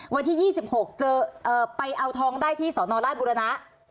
วันที่๒๖เจอไปเอาทองได้ที่สนราชบุรณะ